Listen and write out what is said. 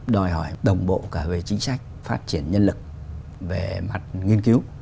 đòi hỏi đồng bộ cả về chính sách phát triển nhân lực về mặt nghiên cứu